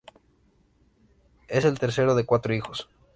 Es el tercero de cuatro hijos.